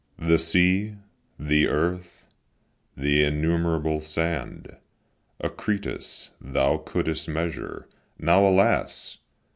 The sea, the earth, the innumerable sand, Archytas, thou couldst measure; now, alas!